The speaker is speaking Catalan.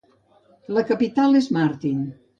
La capital és Martin.